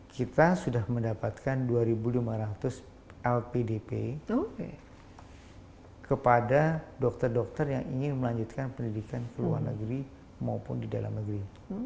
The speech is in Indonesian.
kita sudah mendapatkan dua lima ratus lpdp kepada dokter dokter yang ingin melanjutkan pendidikan di luar negeri maupun di dalam negeri